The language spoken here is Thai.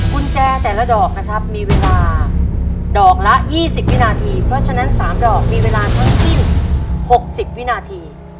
กุญแจแต่ละดอกนะครับมีเวลาดอกละ๒๐วินาทีเพราะฉะนั้น๓ดอกมีเวลาทั้งสิ้น๖๐วินาที